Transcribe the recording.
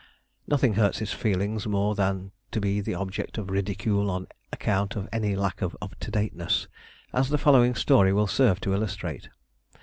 Nothing hurts his feelings more than to be the object of ridicule on account of any lack of up to dateness, as the following story will serve to illustrate.